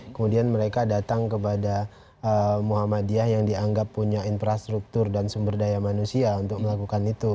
kemudian mereka datang kepada muhammadiyah yang dianggap punya infrastruktur dan sumber daya manusia untuk melakukan itu